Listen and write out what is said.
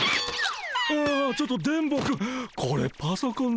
ああちょっと電ボくん